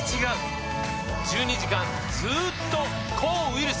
１２時間ずっと抗ウイルス！